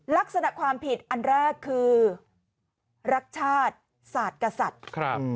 ลักษณะความผิดอันแรกคือรักชาติสัตว์กับสัตว์ครับ